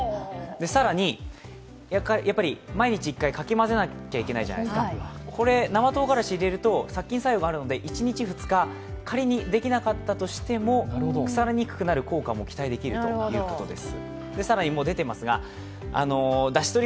更に毎日１回かき混ぜなきゃいけないじゃないですかこれ、生とうがらしを入れると殺菌作用があるので、１日、２日、仮にできなかったとしても、腐りにくくなる効果も期待できるということです。